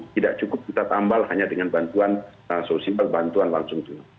tidak cukup kita tambal hanya dengan bantuan sosial bantuan langsung juga